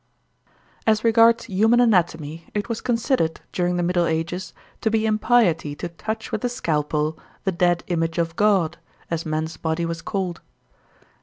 As regards human anatomy, it was considered, during the Middle Ages, to be impiety to touch with a scalpel "the dead image of God," as man's body was called.